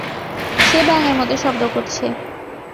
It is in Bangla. সে ব্যাঙের মত শব্দ করছে।